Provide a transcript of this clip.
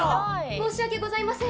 申し訳ございません。